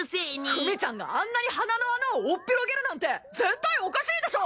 フミちゃんがあんなに鼻の穴をおっぴろげるなんて絶対おかしいでしょ！